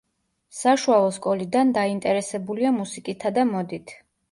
საშუალო სკოლიდან დაინტერესებულია მუსიკითა და მოდით.